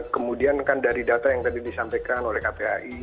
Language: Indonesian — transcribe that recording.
kemudian kan dari data yang tadi disampaikan oleh kpai